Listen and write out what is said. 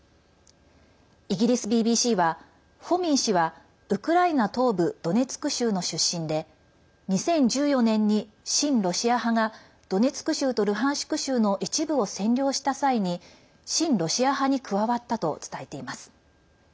イギリスＢＢＣは、フォミン氏はウクライナ東部ドネツク州の出身で２０１４年に親ロシア派がドネツク州とルハンシク州の一部を占領した際に親ロシア派に加わったと伝えています。